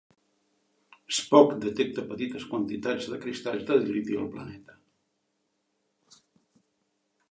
Spock detecta petites quantitats de cristalls de diliti al planeta.